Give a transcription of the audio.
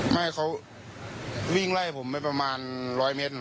ไม่เขาวิ่งไล่ผมไปประมาณร้อยเมตรหน่อยครับ